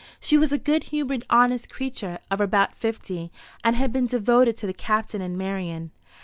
She was a good humoured honest creature, of about fifty, and had been devoted to the Captain and Marian.